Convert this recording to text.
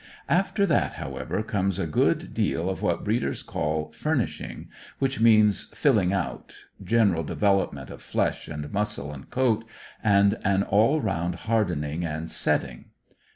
After that, however, comes a good deal of what breeders call "furnishing," which means filling out, general development of flesh and muscle and coat, and an all round hardening and "setting."